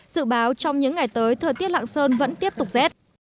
dự báo trong những ngày tới thời tiết lạng sơn vẫn tiếp tục rét